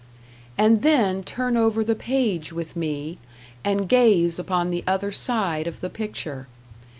And then turn over the page with me, and gaze upon the other side of the picture.